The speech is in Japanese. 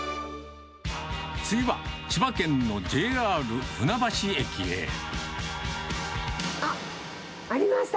次は、あっ、ありました。